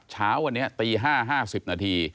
เช้าวันนี้ตี๕๕๐นาที